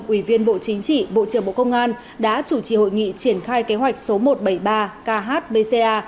ủy viên bộ chính trị bộ trưởng bộ công an đã chủ trì hội nghị triển khai kế hoạch số một trăm bảy mươi ba khbca